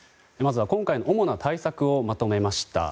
今回の主な対策をまとめました。